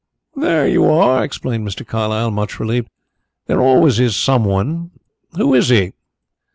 "There you are," explained Mr. Carlyle, much relieved. "There always is someone. Who is he?"